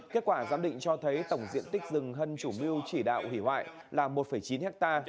kết quả giám định cho thấy tổng diện tích rừng hân chủ mưu chỉ đạo hủy hoại là một chín ha